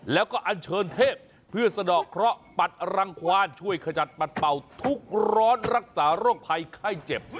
แล้วก็อันเชิญเทพเพื่อสะดอกเคราะห์ปัดรังควานช่วยขจัดปัดเป่าทุกร้อนรักษาโรคภัยไข้เจ็บ